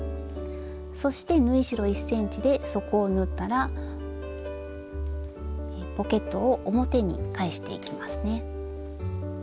そして縫い代１ｃｍで底を縫ったらポケットを表に返していきますね。